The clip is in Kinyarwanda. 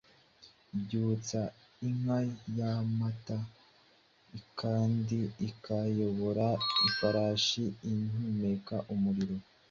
Byutsa inka yamata, kandi ikayobora ifarashi ihumeka umuriro.